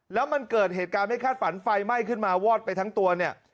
แล้วมันเกิดเหตุการณ์ไม่คาดฝันไฟไหม้ขึ้นมาวอดไปทั้งตัวเนี่ย